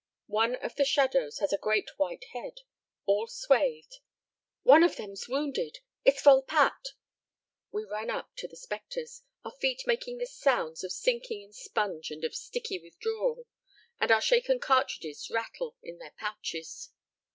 One of the shadows has a great white head, all swathed "One of them's wounded! It's Volpatte!" We run up to the specters, our feet making the sounds of sinking in sponge and of sticky withdrawal, and our shaken cartridges rattle in their pouches.